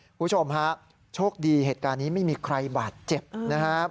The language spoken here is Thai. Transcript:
คุณผู้ชมฮะโชคดีเหตุการณ์นี้ไม่มีใครบาดเจ็บนะครับ